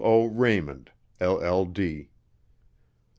O. RAYMOND, LL.D.